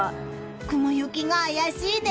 雲行きが怪しいです。